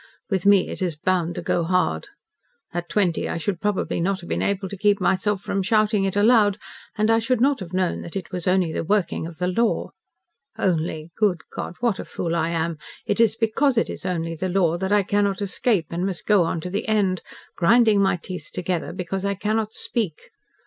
With me it is bound to go hard. At twenty I should probably not have been able to keep myself from shouting it aloud, and I should not have known that it was only the working of the Law. 'Only!' Good God, what a fool I am! It is because it is only the Law that I cannot escape, and must go on to the end, grinding my teeth together because I cannot speak.